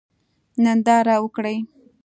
ننداره وکړئ.